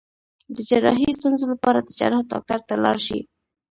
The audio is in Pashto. د جراحي ستونزو لپاره د جراح ډاکټر ته لاړ شئ